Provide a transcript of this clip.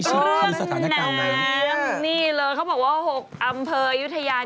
ชีวิตคือสถานการณ์แล้วเรื่องน้ำนี่เลยเค้าบอกว่า๖อำเภออยุธยา